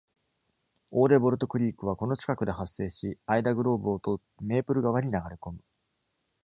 オーデボルト・クリークはこの近くで発生し、アイダグローブを通ってメープル川に流れ込む。